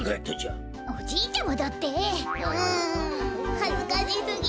はずかしすぎる。